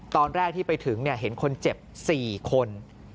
ตอนแรกที่ไปถึงเห็นคนเจ็บ๔คน